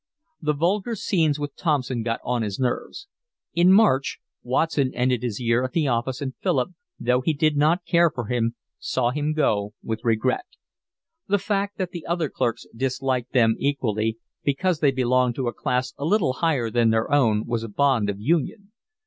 The vulgar scenes with Thompson got on his nerves. In March Watson ended his year at the office and Philip, though he did not care for him, saw him go with regret. The fact that the other clerks disliked them equally, because they belonged to a class a little higher than their own, was a bond of union.